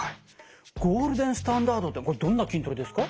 ゴールデンスタンダードってこれどんな筋トレですか？